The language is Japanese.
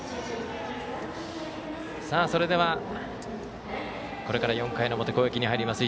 それでは、これから４回の表攻撃に入ります。